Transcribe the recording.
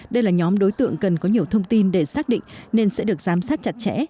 đây là nhóm đối tượng cần có nhiều thông tin để xác định nên sẽ được giám sát chặt chẽ